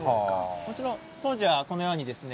もちろん当時はこのようにですね